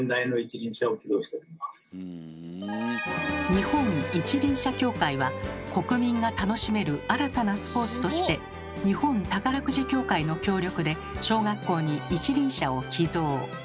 日本一輪車協会は「国民が楽しめる新たなスポーツ」として日本宝くじ協会の協力で小学校に一輪車を寄贈。